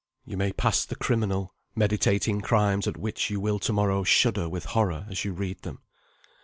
You may pass the criminal, meditating crimes at which you will to morrow shudder with horror as you read them.